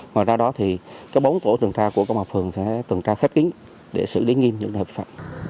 ngoài ra đó thì bốn tổ tuần tra của công an phường sẽ tuần tra khép kiến để xử lý nghiêm những trường hợp vi phạm